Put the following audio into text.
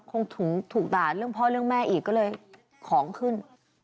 คงถูกด่าเรื่องพ่อเรื่องแม่อีกก็เลยของขึ้น